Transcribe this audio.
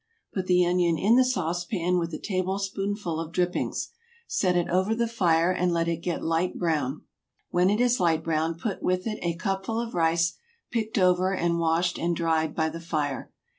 Put the onion in the sauce pan with a tablespoonful of drippings; set it over the fire and let it get light brown. When it is light brown put with it a cupful of rice, picked over and washed and dried by the fire.